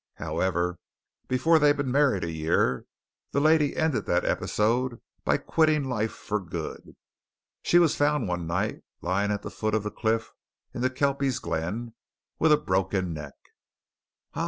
However, before they'd been married a year, the lady ended that episode by quitting life for good. She was found one night lying at the foot of the cliff in the Kelpies' Glen with a broken neck." "Ah!"